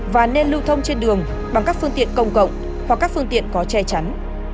và nên lưu thông trên đường bằng các phương tiện công cộng hoặc các phương tiện có che chắn